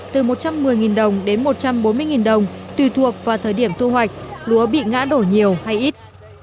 từ một trăm một mươi đồng đến một trăm bốn mươi đồng tùy thuộc vào thời điểm thu hoạch lúa bị ngã đổ nhiều hay ít